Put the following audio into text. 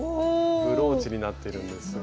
ブローチになってるんですが。